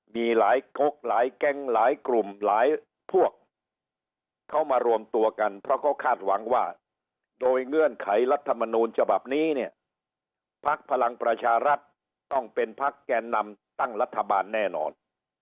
มีหลายกกหลายแก๊งหลายกลุ่มหลายพวกเขามารวมตัวกันเพราะเขาคาดหวังว่าโดยเงื่อนไขรัฐมนูลฉบับนี้เนี่ยพักพลังประชารัฐต้องเป็นพักแกนนำตั้งรัฐบาลแน่นอน